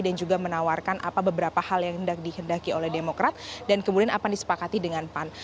dan juga menawarkan apa beberapa hal yang dihendaki oleh demokrat dan kemudian apa yang disepakati dengan pan